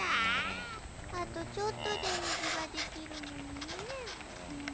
あとちょっとでにじができるのにね。